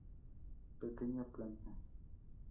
Pequeña planta.